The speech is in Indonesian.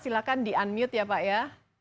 silahkan di unmute ya pak ya